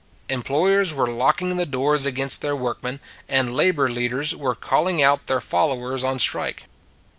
Employ ers were locking the doors against their workmen; and labor leaders were calling out their followers on strike.